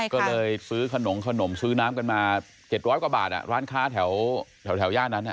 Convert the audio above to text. ก็เลยซื้อขนมขนมซื้อน้ำกันมา๗๐๐กว่าบาทร้านค้าแถวย่านนั้น